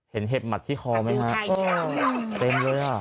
เห็บหมัดที่คอไหมฮะเต็มเลยอ่ะ